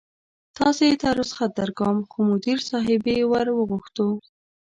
تاسې ته رخصت درکوم، خو مدیر صاحبې ور وغوښتو.